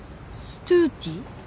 ストゥーティー？